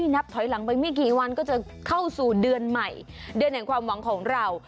นับถอยหลังไปไม่กี่วันก็จะเข้าสู่เดือนใหม่เดือนแห่งความหวังของเรา